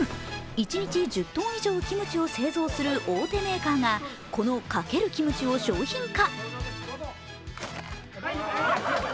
１日１０ｔ以上キムチを製造する大手メーカーが、この×キムチを商品化。